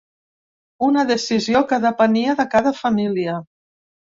Una decisió que depenia de cada família.